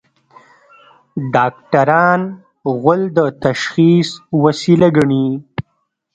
ډاکټران غول د تشخیص وسیله ګڼي.